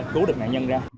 cứu được nạn nhân ra